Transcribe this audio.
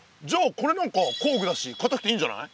これなんか工具だし硬くていいんじゃない？